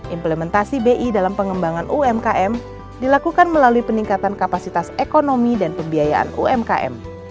implementasi bi dalam pengembangan umkm dilakukan melalui peningkatan kapasitas ekonomi dan pembiayaan umkm